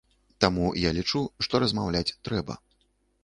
Таму я лічу, што размаўляць трэба.